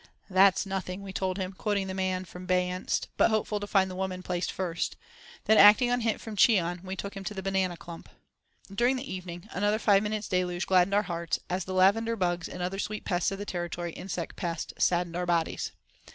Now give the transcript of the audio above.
"That's nothing," we told him, quoting the man from Beyanst, but hopeful to find the woman placed first. Then acting on a hint from Cheon, we took him to the banana clump. During the evening another five minutes' deluge gladdened our hearts, as the "lavender" bugs and other sweet pests of the Territory insect pest saddened our bodies.